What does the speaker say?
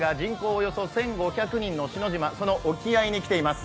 およそ１５００人の篠島、その沖合に来ています。